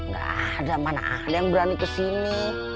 gak ada mana ada yang berani kesini